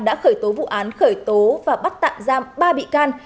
đã khởi tố vụ án khởi tố và bắt tạm giam ba bị can